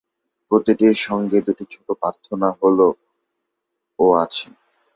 প্রতিটির সঙ্গে দুটি ছোট প্রার্থনা হল ও আছে।